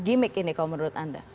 gimmick ini kalau menurut anda